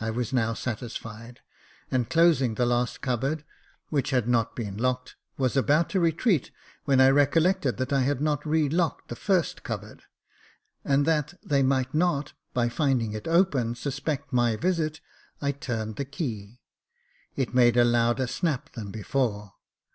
I was now satisfied, and closing the last cupboard, which Jacob Faithful 6^ had not been locked, was about to retreat, when I recollected that I had not re locked the first cupboard, and that they might not, by finding it open, suspect my visit, I turned the key. It made a louder snap than before.